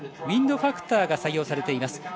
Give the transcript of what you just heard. ウインドファクターが採用されています。